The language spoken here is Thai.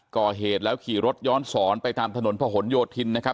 ก่อเหตุแล้วขี่รถย้อนสอนไปตามถนนพะหนโยธินนะครับ